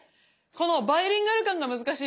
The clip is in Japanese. このバイリンガル感が難しいの。